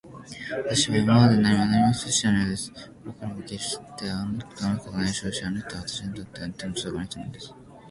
わたしは今でも何一つ知らないのです。これからもけっしてあの人と話すことはないでしょうし、あの人はわたしにとっては手のとどかない人なんです。